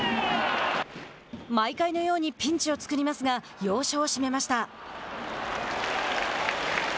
毎回のピンチを作りますが要所を締めました。